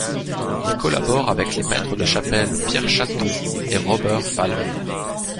Il collabore avec les maîtres de chapelle Pierre Chatton et Robert Faller.